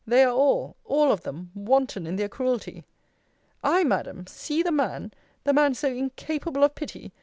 They are all, all of them, wanton in their cruelty. I, Madam, see the man! the man so incapable of pity!